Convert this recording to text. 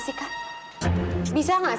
bisa gak sih kakak berhenti ngehina arman terus